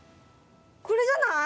これじゃない？